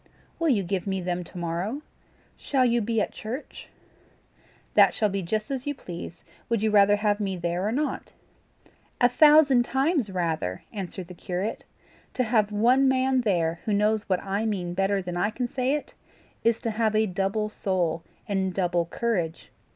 "Will you give me them to morrow? Shall you be at church?" "That shall be just as you please: would you rather have me there or not?" "A thousand times rather," answered the curate. "To have one man there who knows what I mean better than I can say it, is to have a double soul and double courage.